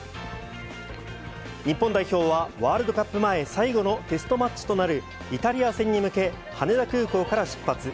日本代表は、ワールドカップ前最後のテストマッチとなるイタリア戦に向け、羽田空港から出発。